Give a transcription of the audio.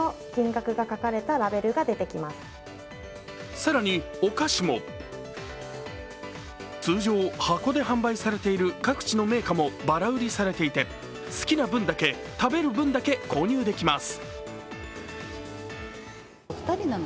更にお菓子も通常箱で販売されている各地の銘菓もばら売りされていて好きな分だけ、食べる分だけ購入できます。